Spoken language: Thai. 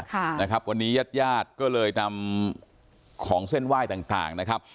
ค่ะนะครับวันนี้ญาติญาติก็เลยนำของเส้นไหว้ต่างต่างนะครับ